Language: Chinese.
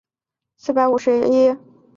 还有说是保护自己脖子不被野兽咬伤。